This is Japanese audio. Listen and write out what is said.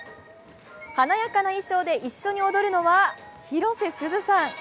華やかな衣装で一緒に踊るのは広瀬すずさん。